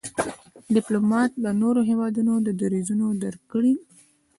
ډيپلومات د نورو هېوادونو دریځونه درک کوي.